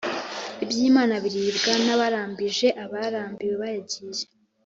iby’imana biribwa nabarambije abarambiwe bagiye